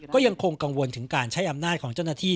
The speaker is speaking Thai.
ก็ยังคงกังวลถึงการใช้อำนาจของเจ้าหน้าที่